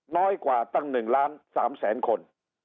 น้อยกว่าตั้ง๑๓๐๐๐๐๐คน